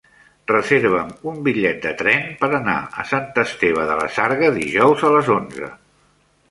Reserva'm un bitllet de tren per anar a Sant Esteve de la Sarga dijous a les onze.